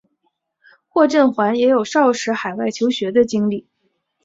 霍震寰也有少时海外求学的经历。